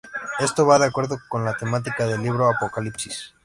Esto va de acuerdo con la temática del libro de Apocalipsis.